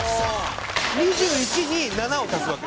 ２１に７を足すわけ。